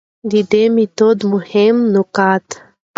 د دې ميتود مهم نقاط: